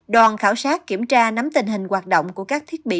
đoàn khảo sát kiểm tra nắm tình hình hoạt động của các thiết bị